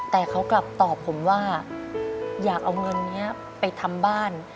แต่เขากลับตอบผมว่าอยากเอาเงินนี้ไปทำบ้าน